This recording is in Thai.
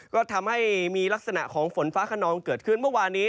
ก็ทำให้มีลักษณะของฝนฟ้าขนองเกิดขึ้นเมื่อวานนี้